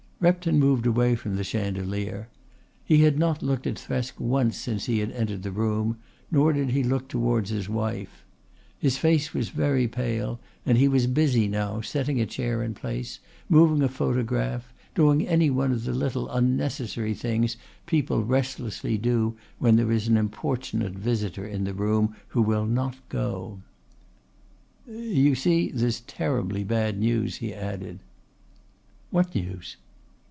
Repton moved away from the chandelier. He had not looked at Thresk once since he had entered the room; nor did he look towards his wife. His face was very pale and he was busy now setting a chair in place, moving a photograph, doing any one of the little unnecessary things people restlessly do when there is an importunate visitor in the room who will not go. "You see, there's terribly bad news," he added. "What news?"